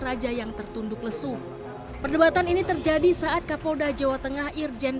raja yang tertunduk lesu perdebatan ini terjadi saat kapolda jawa tengah irjen